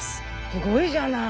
すごいじゃない！